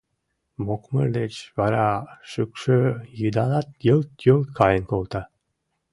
— Мокмыр деч вара шӱкшӧ йыдалат йылт-йолт каен колта...